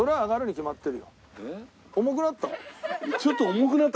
重くなった？